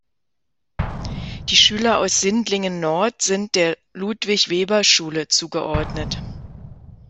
Die Schüler aus Sindlingen-Nord sind der "Ludwig-Weber-Schule" zugeordnet.